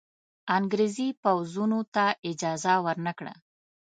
انګرېزي پوځونو ته اجازه ورنه کړه.